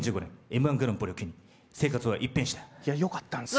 Ｍ−１グランプリを機に生活は一変したよかったんですよ